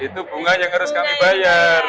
itu bunga yang harus kami bayar